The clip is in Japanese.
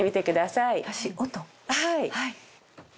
はい。